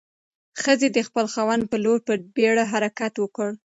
ښځې د خپل خاوند په لور په بیړه حرکت وکړ.